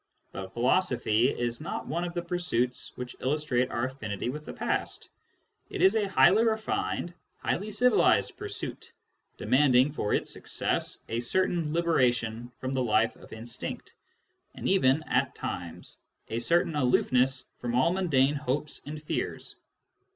But philosophy is not one of the pursuits which illustrate our affinity with the past : it is a highly refined, highly Digitized by Google 26 SCIENTIFIC METHOD IN PHILOSOPHY civilised pursuit, demanding, for its success, a certain liberation from the life of instinct, and even, at times, a certain aloofness from all mundane hopes and fears.